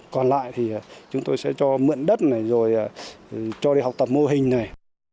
còn lại thì chúng tôi sẽ cho mượn đất này rồi cho đi học tập mô hình này